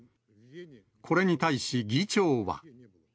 これに対し、議長は。